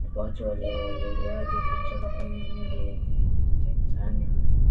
watu waliokolewaje kutoka kwenye meli ya titanic